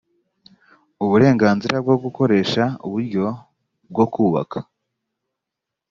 uburenganzira bwo gukoresha uburyo bwokubaka